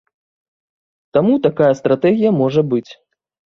Таму, такая стратэгія можа быць.